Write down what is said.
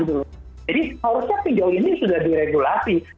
jadi seharusnya pindol ini sudah diregulasi